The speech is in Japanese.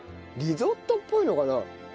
リゾットっぽいのかな？